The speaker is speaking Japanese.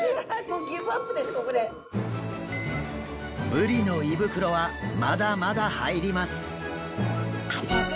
ブリの胃袋はまだまだ入ります！